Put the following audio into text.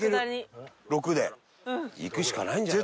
行くしかないんじゃない？